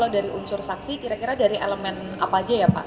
kalau dari unsur saksi kira kira dari elemen apa aja ya pak